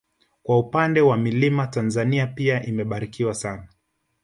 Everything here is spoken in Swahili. Kwa upande wa milima Tanzania pia imebarikiwa sana